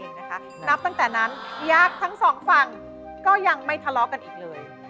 แจ้งเฝ้าเกิดอะไรค่ะตั้งแต่นั้นยักษ์ทั้งสองฝั่งก็ยังไม่ทะเลาะกันอีกเลย